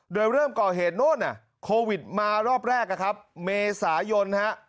โดยเริ่มก่อเหตุโน่นโควิดมารอบแรกนะครับเมษายนฮะ